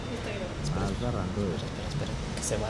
Maza ra ndoenyi